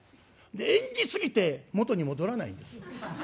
演じ過ぎて元に戻らないんです。